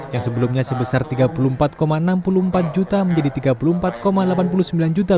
yang sebelumnya sebesar rp tiga puluh empat enam puluh empat juta menjadi rp tiga puluh empat enam juta